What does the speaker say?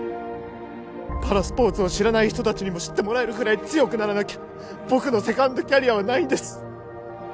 パラスポーツを知らない人達にも知ってもらえるぐらい強くならなきゃ僕のセカンドキャリアはないんです